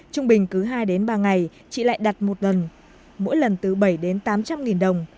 trung bình cứ hai ba ngày chị lại đặt một lần mỗi lần từ bảy tám trăm linh đồng